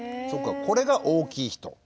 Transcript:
そうかこれが大きい人。